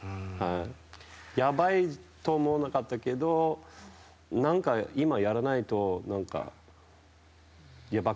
やばいと思わなかったけど何か、今やらないとやばくなる。